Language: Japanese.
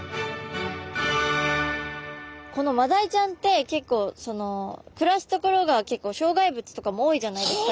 このマダイちゃんって結構暮らす所が障害物とかも多いじゃないですか。